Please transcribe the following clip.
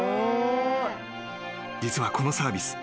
［実はこのサービス